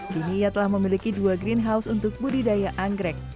kini ia telah memiliki dua greenhouse untuk budidaya anggrek